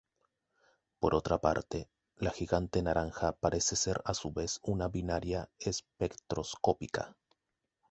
Por otra parte, la gigante naranja parece ser a su vez una binaria espectroscópica.